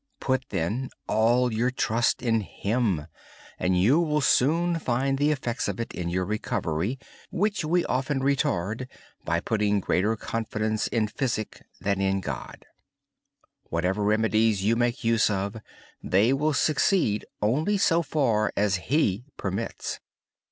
Put all your trust in God. You will soon find the effects in your recovery, which we often delay by putting greater faith in medicine than in God. Whatever remedies you use, they will succeed only so far as He permits.